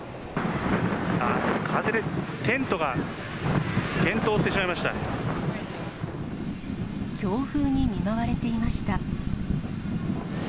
風でテントが転倒してしまい強風に見舞われていました。